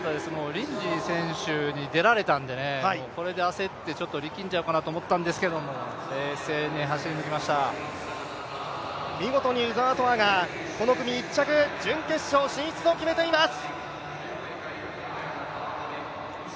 リンジー選手に出られたのでこれで焦って、ちょっと力んじゃうかなと思ったんですけど、見事に鵜澤飛羽がこの組１着準決勝進出を決めています。